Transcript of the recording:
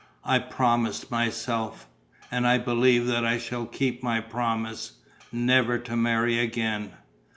I promised myself and I believe that I shall keep my promise never to marry again.